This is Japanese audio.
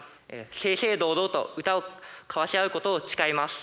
正々堂々と歌を交わし合うことを誓います。